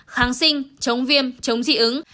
kháng sinh chống viêm chống dị ứng